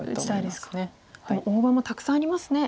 でも大場もたくさんありますね。